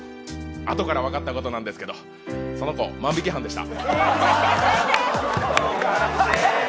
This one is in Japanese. あとから分かったことなんですけどその子、万引き犯でした。